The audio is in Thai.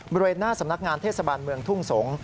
บริเวณหน้าสำนักงานเทศบาลเมืองทุ่งสงศ์